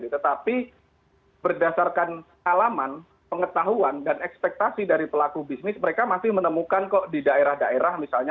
tetapi berdasarkan alaman pengetahuan dan ekspektasi dari pelaku bisnis mereka masih menemukan kok di daerah daerah misalnya